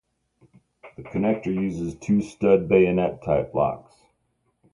The connector uses two-stud bayonet-type locks.